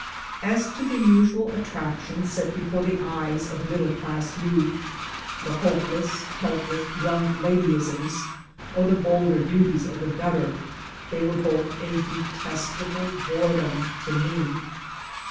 As to the usual attractions set before the eyes of middle class youth, the hopeless, helpless young ladyisms, or the bolder beauties of the gutter, they were both a detestable boredom to me.